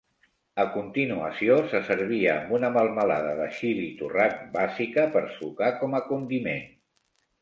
A continuació, se servia amb una melmelada de xili torrat bàsica per sucar com a condiment.